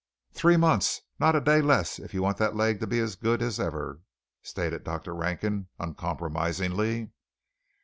"Three months; not a day less if you want that leg to be as good as ever," stated Dr. Rankin uncompromisingly.